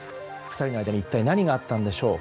２人の間に一体何があったのでしょう。